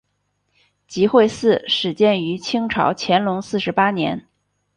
集惠寺始建于清朝乾隆四十八年。